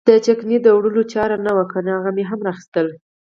د چکنۍ د وړلو چاره نه وه کنه هغه مې هم را اخیستله.